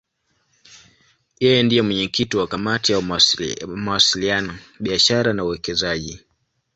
Yeye ndiye mwenyekiti wa Kamati ya Mawasiliano, Biashara na Uwekezaji.